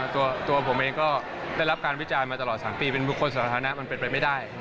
ตัวผมเองก็ได้รับการวิจารณ์มาตลอด๓ปีเป็นบุคคลสาธารณะมันเป็นไปไม่ได้